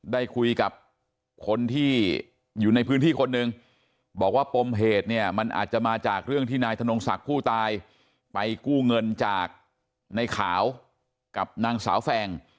ได้คุยกับคนที่อยู่ในพื้นที่คนหนึ่งบอกว่าปมเหตุเนี่ยมันอาจจะมาจากเรื่องที่นายธนงศักดิ์ผู้ตายไปกู้เงินจากในขาวกับนางสาวแฟง